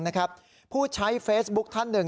นะครับผู้ใช้เฟสบุกท่านหนึ่ง